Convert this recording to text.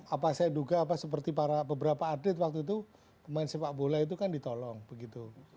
apa saya duga apa seperti para beberapa atlet waktu itu pemain sepak bola itu kan ditolong begitu